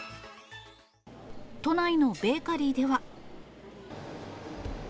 都内のベーカリーでは。